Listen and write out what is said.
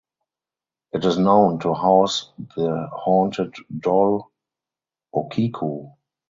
It is known to house the haunted doll Okiku.